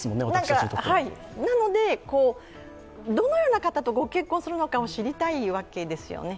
なので、どのような方と御結婚するのかを知りたいわけですよね。